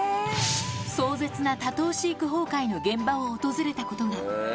壮絶な多頭飼育崩壊の現場を訪れたことが。